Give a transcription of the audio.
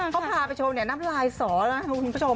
เขาพาไปชมเนี่ยน้ำลายสอนะครับคุณผู้ชม